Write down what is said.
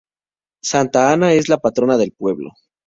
Santa Ana es la patrona del pueblo.